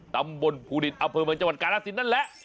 ตำบลภูรินอเผิงเมืองจันทร์กาละสินนั่นแหละ